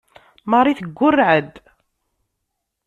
Marie teggurreɛ-d.